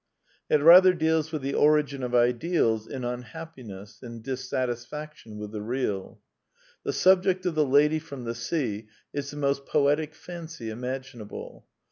It rather deals with the origin of ideals in unhappiness, in dis satisfaction with the real. The subject of The Lady from the Sea is the most poetic fancy imaginable.